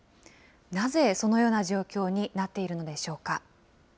なぜそのような状況になっているのでしょうか。